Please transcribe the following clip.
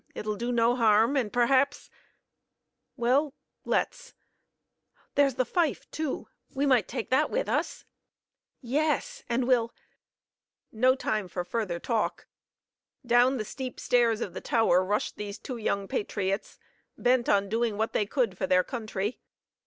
It'll do no harm; and perhaps " "Well, let's. There's the fife, too; we might take that with us." "Yes; and we'll " No time for further talk. Down the steep stairs of the tower rushed these two young patriots, bent on doing what they could for their country.